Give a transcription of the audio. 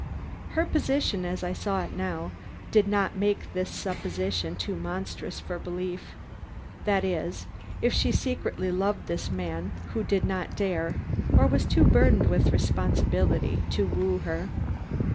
Her position, as I saw it now, did not make this supposition too monstrous for belief; that is, if she secretly loved this man who did not dare, or was too burdened with responsibility, to woo her.